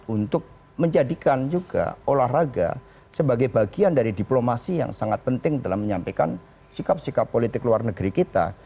untuk menjadikan juga olahraga sebagai bagian dari diplomasi yang sangat penting dalam menyampaikan sikap sikap politik luar negeri kita